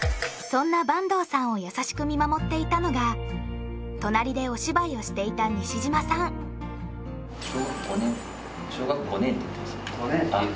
そんな坂東さんを優しく見守っていたのが隣でお芝居をしていた西島さんあっ